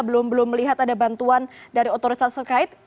belum belum melihat ada bantuan dari otoritas terkait